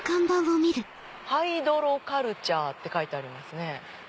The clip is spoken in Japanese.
ハイドロカルチャーって書いてありますね。